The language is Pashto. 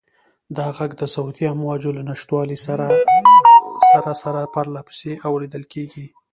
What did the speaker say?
دا غږ د صوتي امواجو له نشتوالي سره سره پرله پسې اورېدل کېږي.